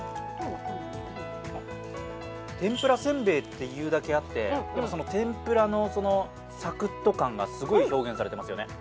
天ぷらせんべいって言うだけあって天ぷらのサクっと感がすごい表現されていますよね。